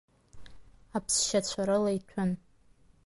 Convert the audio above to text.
Аԥсшьацәа рыла иҭәын.